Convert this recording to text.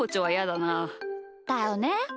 だよね。